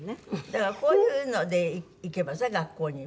だからこういうので行けばさ学校に。